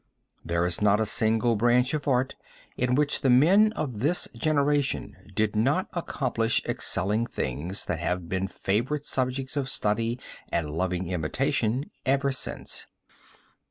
There is not a single branch of art in which the men of this generation did not accomplish excelling things that have been favorite subjects for study and loving imitation ever since.